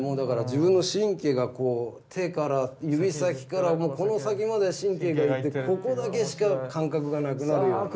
自分の神経が手から指先からこの先まで神経がいってここだけしか感覚がなくなるような。